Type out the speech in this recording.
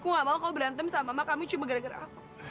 aku gak mau kalau berantem sama mama kamu cuma gara gara aku